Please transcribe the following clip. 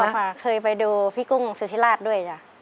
ชอบครับเคยไปดูพี่กุ้งสุธิราชด้วย